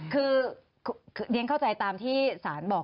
คือเรียนเข้าใจตามที่ศาลบอก